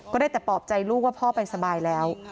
ก็ได้แต่ปลอบใจลูกว่าพ่อไปสบายแล้ว